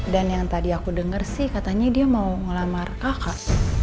dan yang tadi aku denger sih katanya dia mau ngelamar kakak